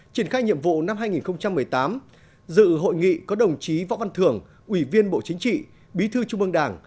triển khai nhiệm vụ năm hai nghìn một mươi tám dự hội nghị có đồng chí võ văn thưởng ủy viên bộ chính trị bí thư trung ương đảng